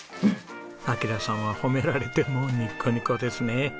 暁良さんは褒められてもうニコニコですね。